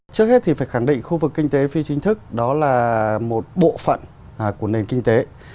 trước hết thì phải khẳng định khu vực kinh tế phi chính thức đó là một bộ phận của nền kinh tế